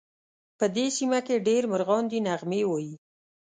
په دې سیمه کې ډېر مرغان دي نغمې وایې